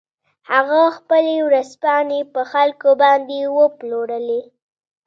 هغه خپلې ورځپاڼې په خلکو باندې وپلورلې.